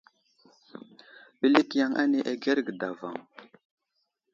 Ɓəlik yaŋ ane agərge davoŋ.